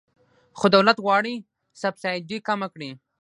خو دولت غواړي سبسایډي کمه کړي.